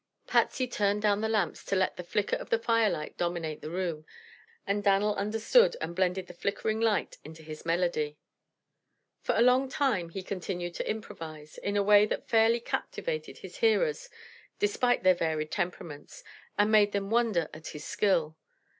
Patsy turned down the lamps, to let the flicker of the firelight dominate the room, and Dan'l understood and blended the flickering light into his melody. For a long time he continued to improvise, in a way that fairly captivated his hearers, despite their varied temperaments, and made them wonder at his skill.